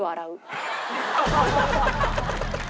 ハハハハ！